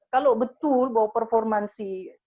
kalau betul bahwa performansi